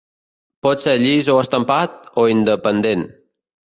Pot ser llis o estampat, o independent.